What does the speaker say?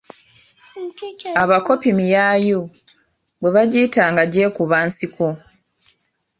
Abakopi miyaayu, bwe bagiyita nga gye kuba nsiko.